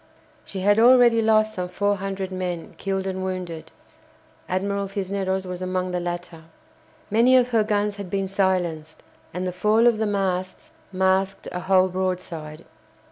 She had already lost some four hundred men killed and wounded (Admiral Cisneros was among the latter). Many of her guns had been silenced, and the fall of the masts masked a whole broadside.